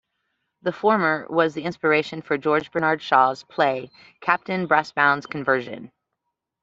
The former was the inspiration for George Bernard Shaw's play "Captain Brassbound's Conversion".